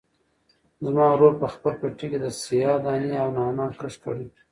زما ورور په خپل پټي کې د سیاه دانې او نعناع کښت کړی.